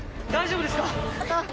大丈夫ですか？